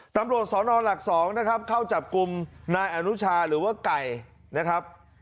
ตำรวจสนหลัก๒นะครับเข้าจับกลุ่มนายอนุชาหรือว่าไก่นะครับ